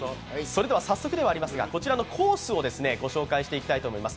早速ではありますがこちらのコースをご紹介していきたいと思います。